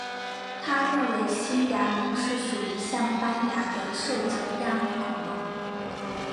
他认为新牙龙是属于像斑龙的兽脚亚目恐龙。